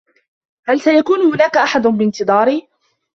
هل سيكون هناك أحد بانتظاري؟